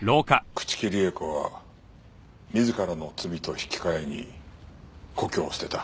朽木里江子は自らの罪と引き換えに故郷を捨てた。